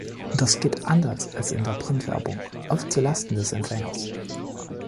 Das geht anders als in der Printwerbung oft zu Lasten des Empfängers.